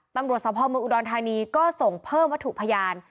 ตำรวจสภาพเมืองอุดรธานีก็ส่งเพิ่มวัตถุพยาน